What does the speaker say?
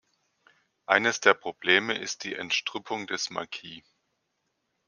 Eines der Probleme ist die Entstrüppung des Maquis.